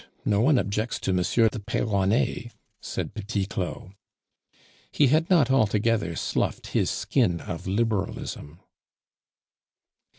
No one objects to M. de Peyronnet," said Petit Claud. He had not altogether sloughed his skin of Liberalism.